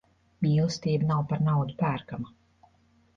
Mīlestība nav par naudu pērkama.